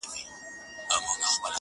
ته چي دومره یې هوښیار نو به وزیر یې .!